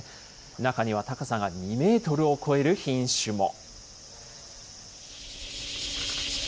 中には高さが２メートルを超える品種も。